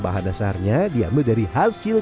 bahan dasarnya diambil dari hasil